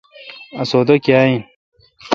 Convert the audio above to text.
اسودہ کیا این۔